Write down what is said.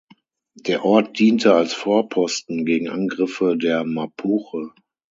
Der Ort diente als Vorposten gegen Angriffe der Mapuche.